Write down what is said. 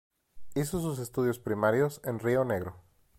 Hizo sus estudios primarios en Rionegro.